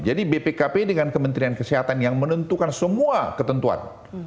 jadi bpkp dengan kementerian kesehatan yang menentukan semua ketentuan